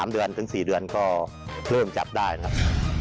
๓๔เดือนก็เริ่มจับได้ครับ